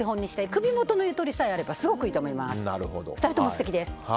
首元のゆとりさえあればすごくいいと思います。